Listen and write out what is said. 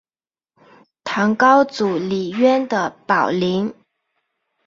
唐高祖李渊的宝林。